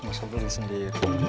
masa beli sendiri